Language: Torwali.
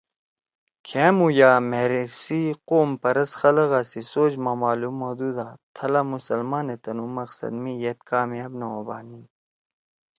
کھامُو یأ مھیر سی قوم پرست خلَگا سی سوچ ما معلُوم ہودُودا تھلا مُسلمانے تنُو مقصد می ید کامیاب نہ ہوبھانیِن